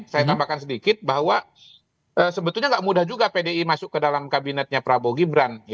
saya tambahkan sedikit bahwa sebetulnya gak mudah juga pdi masuk ke dalam kabinetnya prabowo gibran